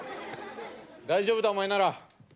大丈夫だお前なら。